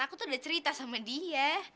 aku tuh udah cerita sama dia